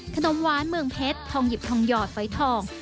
ขนมหวานเมืองเพชรทองหยิบทองหยอดฝอยทอง